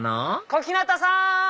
小日向さん！